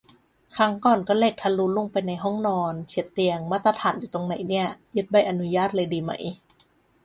ครั้งก่อนก็เหล็กทะลุลงไปในห้องนอน เฉียดเตียง มาตรฐานอยู่ตรงไหนเนี่ย ยึดใบอนุญาตเลยดีไหม